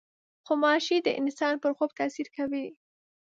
غوماشې د انسان پر خوب تاثیر کوي.